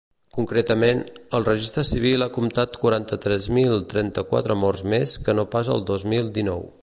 Concretament, el registre civil ha comptat quaranta-tres mil trenta-quatre morts més que no pas el dos mil dinou.